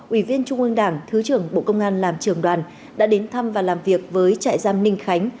ủy viên trung ương đảng thứ trưởng bộ công an làm trường đoàn đã đến thăm và làm việc với trại giam ninh khánh